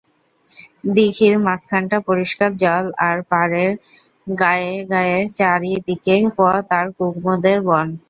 দিঘির মাঝখানটা পরিষ্কার জল আর পাড়ের গায়ে গায়ে চারি দিকে পথ আর কুমুদের বন।